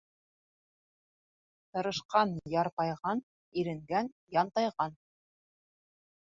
Тырышҡан ярпайған, иренгән янтайған.